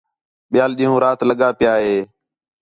ٻِیال ݙِین٘ہوں، رات لڳا پِیا ہِے